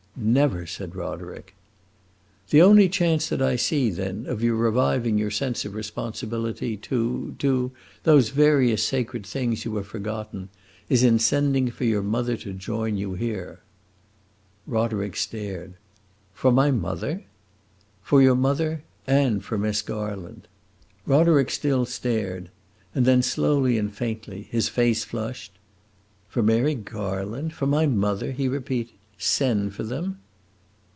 "Never!" said Roderick. "The only chance that I see, then, of your reviving your sense of responsibility to to those various sacred things you have forgotten, is in sending for your mother to join you here." Roderick stared. "For my mother?" "For your mother and for Miss Garland." Roderick still stared; and then, slowly and faintly, his face flushed. "For Mary Garland for my mother?" he repeated. "Send for them?"